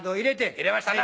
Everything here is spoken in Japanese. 入れましたか？